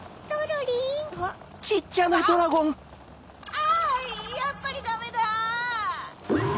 あやっぱりダメだぁ！